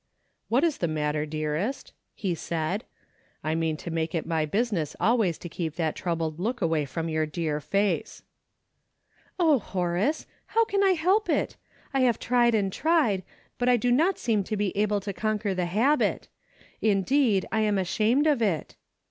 '' What is the matter, dearest ?" he said. " I mean to make it my business always to keep that troubled look away from your dear face." " Oh, Horace ! How can I help it ? I have tried and tried, but I do not seem to be able to conquer the habit. Indeed, I am ashamed of it.